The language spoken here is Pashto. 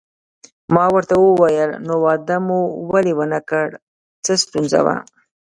ما ورته وویل: نو واده مو ولې ونه کړ، څه ستونزه وه؟